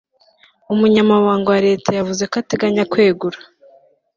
umunyamabanga wa leta yavuze ko ateganya kwegura